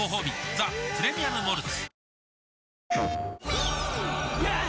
「ザ・プレミアム・モルツ」